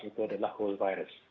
itu adalah whole virus